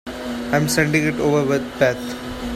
I'm sending it over with Beth.